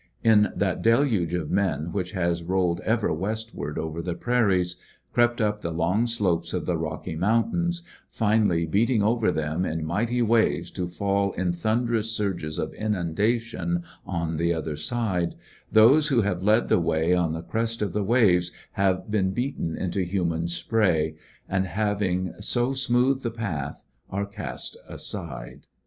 In that deluge of men which has rolled ever westward over the prairies, crept up the long slopes of the Bocky Mountains^ finally beating over them in mighty waves^ to fall in thunderous surges of inundation on the other side, those who have led the way on the crest of the waves have been beaten into human spray, and haying so smoothed the path^ are cast aside.